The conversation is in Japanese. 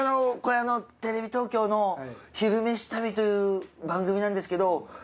これテレビ東京の「昼めし旅」という番組なんですけど。